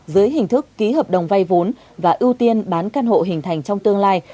dưới hình thức ký hợp đồng vay vốn và ưu tiên bán căn hộ hình thành trong tương lai